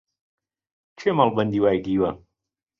کێ مەڵبەندی وای دیوە؟